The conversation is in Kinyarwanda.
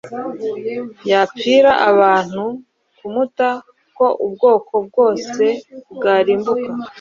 yapfira abantu, kumta ko ubwoko bwose bwarimbuka. »